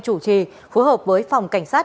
chủ trì phù hợp với phòng cảnh sát